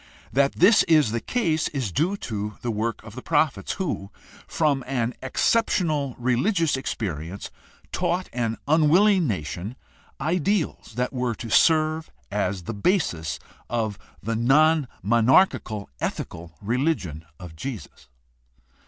That this is the case is due to the work of the prophets who, from an exceptional religious experience, taught an unwilling nation ideals that were to serve as the basis of the non monarchical ethical religion of Jesus.